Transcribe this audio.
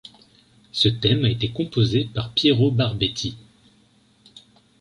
Ce thème a été composé par Piero Barbetti.